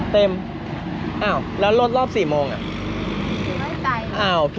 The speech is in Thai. เต็มแล้วลดรอบ๔โมงอ่ะ